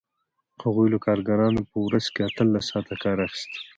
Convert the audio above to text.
هغوی له کارګرانو په ورځ کې اتلس ساعته کار اخیست